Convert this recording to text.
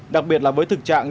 đặc biệt là với thực trạng